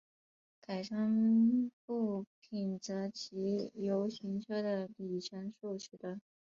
改装部品则藉由行车的里程数取得。